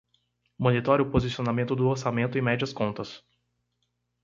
Monitora o posicionamento do orçamento e mede as contas.